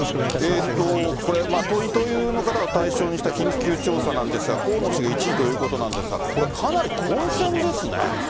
これ、党員・党友の方を対象にした緊急調査なんですが、河野氏が１位ということなんですが、これ、かなり混戦ですね。